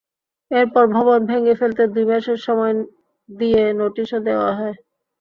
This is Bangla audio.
এরপর ভবন ভেঙে ফেলতে দুই মাসের সময় দিয়ে নোটিশও দেওয়া হয়।